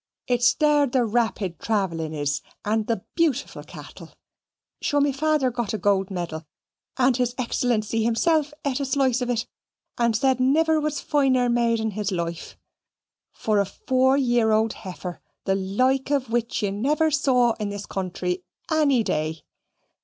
It's there the rapid travelling is; and the beautiful cattle. Sure me fawther got a goold medal (and his Excellency himself eat a slice of it, and said never was finer mate in his loif) for a four year old heifer, the like of which ye never saw in this country any day."